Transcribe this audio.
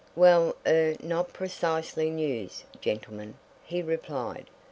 "Well er not precisely news, gentlemen," he replied.